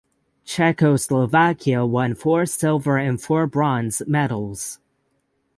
Czechoslovakia won four silver and four bronze medals.